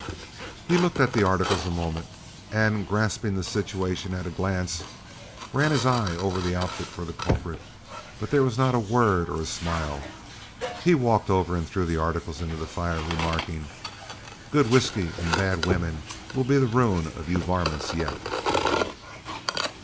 He looked at the articles a moment, and, grasping the situation at a glance, ran his eye over the outfit for the culprit. But there was not a word or a smile. He walked over and threw the articles into the fire, remarking, "Good whiskey and bad women will be the ruin of you varmints yet."